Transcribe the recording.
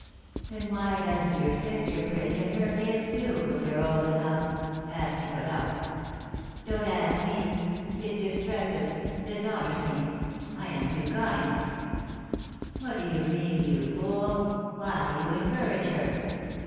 "Then why doesn't your sister prig, and her kids, too, if they're old enough?" asked Nicholas. "Don't ask me; it distresses dishonours me! I am too kind " "What do you mean, you fool? Why, you encourage her!"